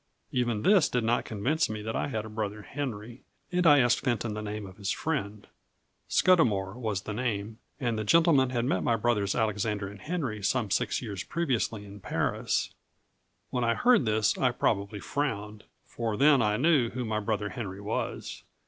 Even this did not convince me that I had a brother Henry, and I asked Fenton the name of his friend. Scudamour was the name, and the gentleman had met my brothers Alexander and Henry some six years previously in Paris. When I heard this I probably frowned; for then I knew who my brother Henry was.